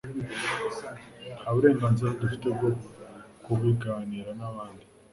nta burenganzira dufite bwo kubiganira n'abandi.